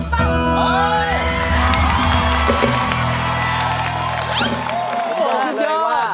ขอบคุณสุดยอด